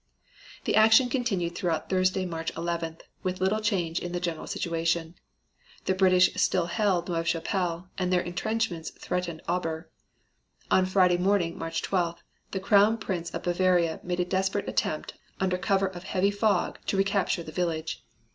The action continued throughout Thursday, March 11th, with little change in the general situation. The British still held Neuve Chapelle and their intrenchments threatened Aubers. On Friday morning, March 12th, the Crown Prince of Bavaria made a desperate attempt under cover of a heavy fog to recapture the village.